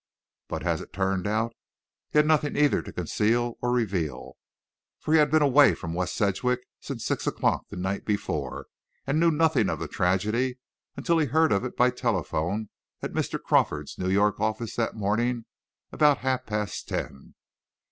But, as it turned out, he had nothing either to conceal or reveal, for he had been away from West Sedgwick since six o'clock the night before, and knew nothing of the tragedy until he heard of it by telephone at Mr. Crawford's New York office that morning about half past ten.